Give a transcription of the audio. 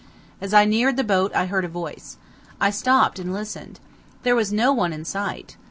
As I neared the boat I heard a voice. I stopped and listened. There was no one in sight.